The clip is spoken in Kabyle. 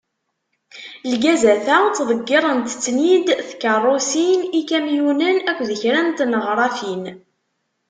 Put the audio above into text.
Lgazat-a, ttḍeggirent-ten-id tkerrusin, ikamyunen akked kra n tneɣrafin.